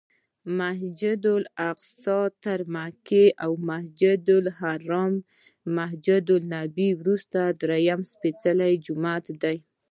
مسجدالاقصی تر مکې او مسجدالحرام او مسجدنبوي وروسته درېیم سپېڅلی جومات دی.